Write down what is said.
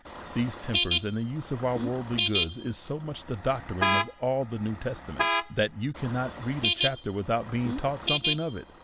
These tempers, and this use of our Avorldly goods, are so much the doctrine of all the New Testament, that you cannot read a chapter without being taught something of it.